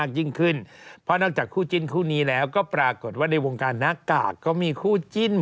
เขาก็คู่จิ้นพี่หมากเขาเข้าใจคำว่าคู่จิ้นไหม